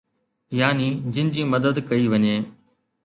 يعني جن جي مدد ڪئي وڃي.